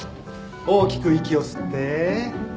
大きく息を吸ってはい